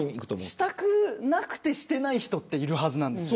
したくなくてしていない人っているはずなんです。